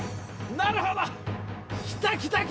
なるほど！